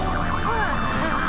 ああ。